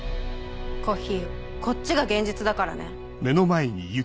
コッヒーこっちが現実だからね。